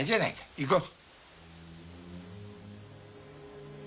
行こう。